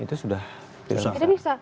itu sudah susah